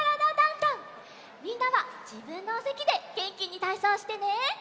みんなはじぶんのおせきでげんきにたいそうしてね。